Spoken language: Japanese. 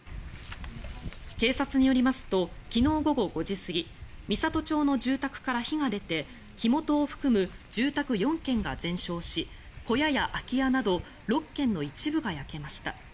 警察によりますと昨日午後５時過ぎ美郷町の住宅から火が出て火元を含む住宅４軒が全焼し小屋や空き家など６軒の一部が焼けました。